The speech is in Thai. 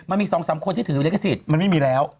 มันมี๒๓คนที่ถือลิขสิทธิ์มันไม่มีแล้ว